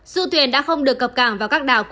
du thuyền đã không được cập cảng vào các đảo